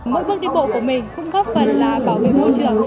mỗi bước đi bộ của mình cũng góp phần là bảo vệ môi trường